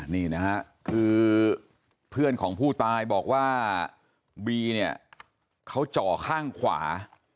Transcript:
นี่นะฮะคือเพื่อนของผู้ตายบอกว่าบีเนี่ยเขาจ่อข้างขวา